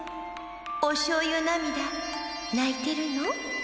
おしょうゆなみだないてるの？